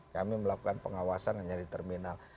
kami melakukan pengawasan hanya di terminal